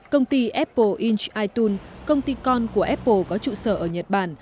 công ty apple inch itunes công ty con của apple có trụ sở ở nhật bản